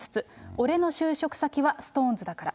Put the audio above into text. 俺の就職先はＳｉｘＴＯＮＥＳだから。